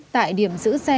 tại điểm giữ xe